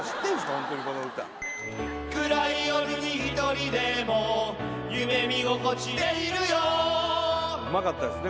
ホントにこの歌暗い夜に一人でも夢見心地でいるようまかったですね